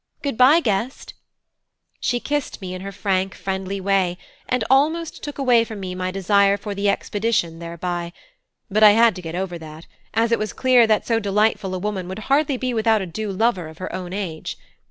Good bye, guest." She kissed me in her frank friendly way, and almost took away from me my desire for the expedition thereby; but I had to get over that, as it was clear that so delightful a woman would hardly be without a due lover of her own age.